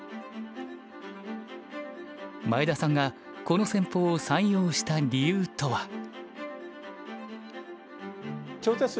前田さんがこの戦法を採用した理由とは？